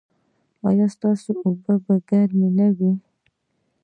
ایا ستاسو اوبه به ګرمې نه وي؟